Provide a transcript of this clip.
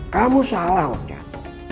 kamu salah wocat